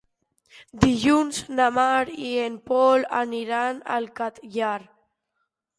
Dilluns na Mar i en Pol aniran al Catllar.